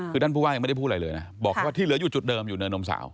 คือท่านผู้ว่ายังไม่ได้พูดอะไรเลยนะบอกว่าที่เหลืออยู่จุดเดิมอยู่เนินนมสาว